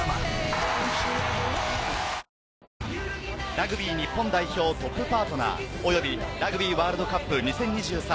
ラグビー日本代表トップパートナー、およびラグビーワールドカップ２０２３